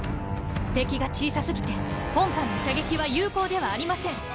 敵が小さ過ぎて本艦の射撃は有効ではありません！